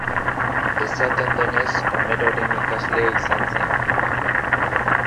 Esaten denez, Homeroren ikaslea izan zen.